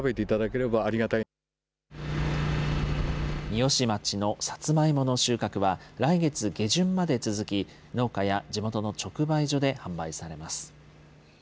三芳町のさつまいもの収穫は、来月下旬まで続き、農家や地元の直売所で販売されます。